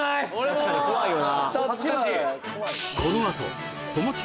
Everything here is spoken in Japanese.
確かに怖いよな